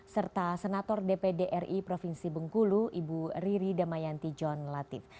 serta senator dpd ri provinsi bengkulu ibu riri damayanti john latif